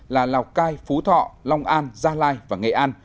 là lào cai phú thọ long an gia lai và nghệ an